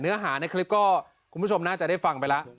เนื้อหาในคลิปก็คุณผู้ชมน่าจะได้ฟังไปแล้ว